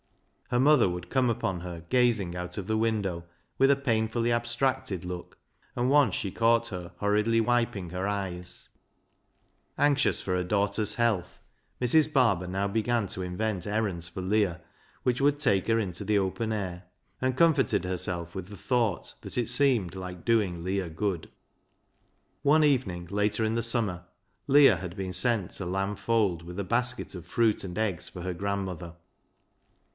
Her mother would come upon her gazing out of the window with a painfully abstracted look, and once she caught her hurriedly wiping her eyes. LEAH'S LOVER 67 Anxious for her daughter's health, Mrs. Barber now began to invent errands for Leah which would take her into the open air, and comforted herself with the thought that it seemed like doing Leah good. One evening later in the summer Leah had been sent to Lamb Fold with a basket of fruit and eggs for her grandmother.